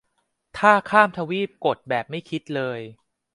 ถ้าข้ามทวีปกด แบบไม่คิดเลย